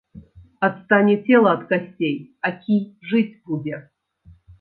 Адстане цела ад касцей, а кій жыць будзе.